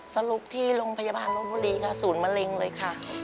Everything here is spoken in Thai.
สรุปที่โรงพยาบาลรถบุรีค่ะศูนย์มะเร็งเลยค่ะ